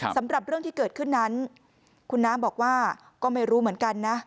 สำหรับเรื่องที่เกิดขึ้นนั้นคุณน้ำบอกว่าก็ไม่รู้เหมือนกันนะ